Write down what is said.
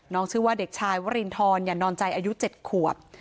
น้องชื่อว่าเด็กชายวรีนทรอย่านอนใจอายุเจ็ดขวบ